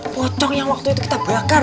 potong yang waktu itu kita bakar